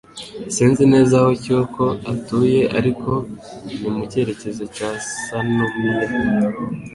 Sinzi neza aho Kyoko atuye, ariko ni mu cyerekezo cya Sannomiya.